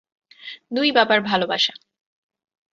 দুই বাবার ভালবাসা।